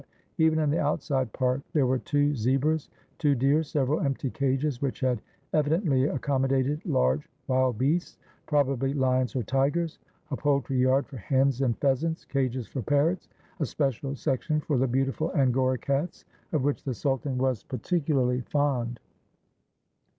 Even in the outside park there were two zebras, two deer, several empty cages, which had evidently accommodated large wild beasts, probably lions or tigers, a poultry yard for hens and pheasants, cages for parrots, a special section for the beautiful Angora cats of which the sultan was par ticularly fond.